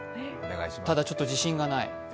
ただちょっと自信がない。